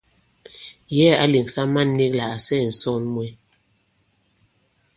Yɛ̌ɛ̀ ǎ lèŋsa man nīk lā à sɛɛ̀ ǹsɔn mwe.